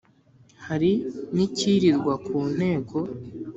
hari n' icyirirwa ku nteko,